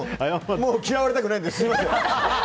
もう嫌われたくないんですみません！